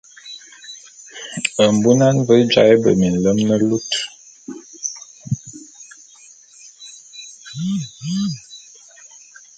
Mbunan ve jaé be minlem ne lut.